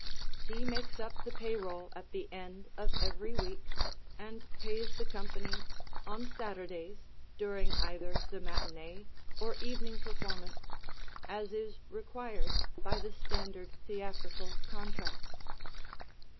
He makes up the payroll at the end of every week and pays the company on Saturdays during either the matinee or evening performance, as is required by the standard theatrical contracts.